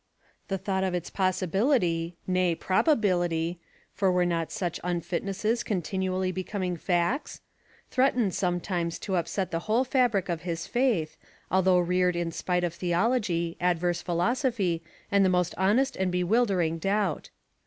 The thought of its possibility, nay, probability for were not such unfitnesses continually becoming facts? threatened sometimes to upset the whole fabric of his faith, although reared in spite of theology, adverse philosophy, and the most honest and bewildering doubt.